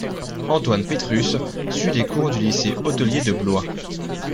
Antoine Pétrus suit les cours du lycée hôtelier de Blois.